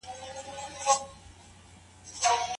موږ به تر رخصتۍ پورې خپلې ټولې پیسې سپمولي وي.